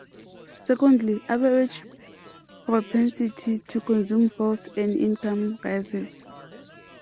Secondly, average propensity to consume falls as income rises.